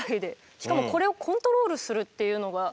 しかもこれをコントロールするっていうのが。